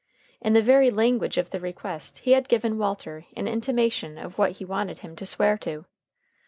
In the very language of the request, he had given Walter an intimation of what he wanted him to swear to.